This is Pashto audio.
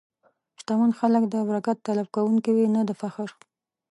شتمن خلک د برکت طلب کوونکي وي، نه د فخر.